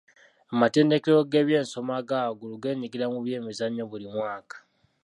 Amatendekero g'ebyensoma aga waggulu geenyigira mu by'emizannyo buli mwaka.